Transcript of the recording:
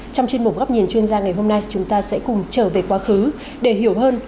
trong chuyên mục góc nhìn chuyên gia ngày hôm nay chúng ta sẽ cùng trở về quá khứ để hiểu hơn